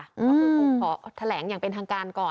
คุณผู้ชมขอแถลงอย่างเป็นทางการก่อน